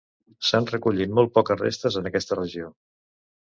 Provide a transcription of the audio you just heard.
S'han recollit molt poques restes en aquesta regió.